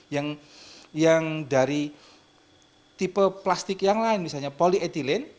yang dari tipe plastik yang lain misalnya polyetilin